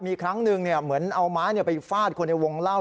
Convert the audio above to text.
มีครั้งหนึ่งเหมือนเอาไม้ไปฟาดคนในวงเล่า